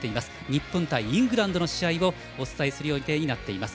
日本対イングランドの試合をお伝えする予定になっています。